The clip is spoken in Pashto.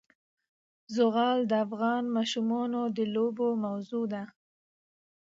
زغال د افغان ماشومانو د لوبو موضوع ده.